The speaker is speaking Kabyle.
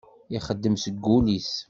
Ixeddem seg wul-is.